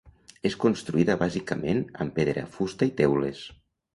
És construïda bàsicament amb pedra, fusta i teules.